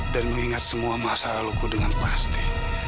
dan mengingat semua masa lalu ku dengan pasti